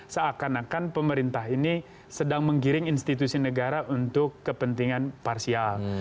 seakan akan pemerintah ini sedang menggiring institusi negara untuk kepentingan parsial